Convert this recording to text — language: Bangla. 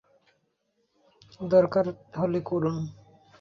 দরকার হলে করুন।